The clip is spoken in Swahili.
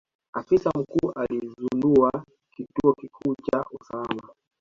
Afisa mkuu alizundua kituo kikuu cha usalama.